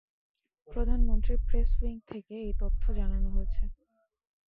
প্রধানমন্ত্রীর press wing থেকে এই তথ্য জানানো হয়েছে।